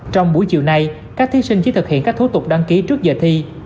trong buổi chiều nay các thí sinh chỉ thực hiện các thủ tục đăng ký trước giờ thi